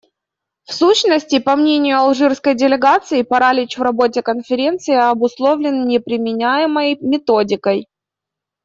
В сущности, по мнению алжирской делегации, паралич в работе Конференции обусловлен не применяемой методикой.